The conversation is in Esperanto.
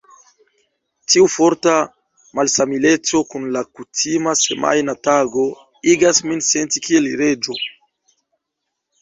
Tiu forta malsamileco kun la kutima semajna tago igas min senti kiel reĝo.